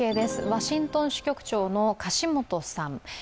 ワシントン支局長の樫元さん。